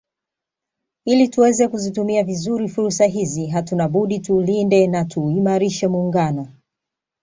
Ili tuweze kuzitumia vizuri fursa hizi hatuna budi tuulinde na tuuimarishe Muungano